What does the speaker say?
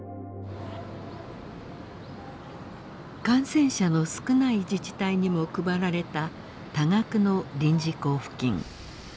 感染者の少ない自治体にも配られた多額の臨時交付金。